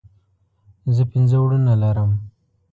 زه پنځه وروڼه لرم